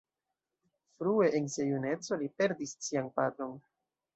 Frue en sia juneco li perdis sian patron.